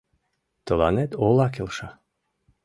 Тыланет ола келша.